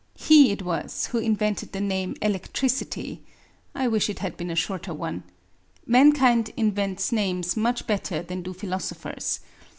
He it was who invented the name electricity I wish it had been a shorter one. Mankind invents names much better than do philosophers.